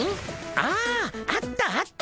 ああったあった。